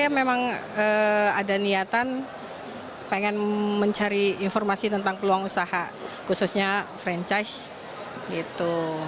saya memang ada niatan pengen mencari informasi tentang peluang usaha khususnya franchise gitu